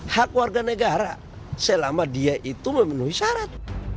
hak warga negara selama dia itu memenuhi syarat